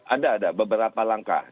ada ada beberapa langkah